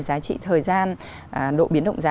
giá trị thời gian độ biến động giá